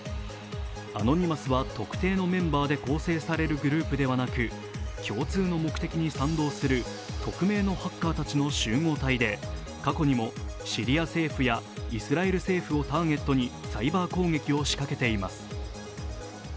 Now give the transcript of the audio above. アノニマスは特定のメンバーで構成されるグループではなく、共通の目的に賛同する匿名のハッカーたちの集合体で過去にもシリア政府やイスラエル政府をターゲットにサイバー攻撃を仕掛けています。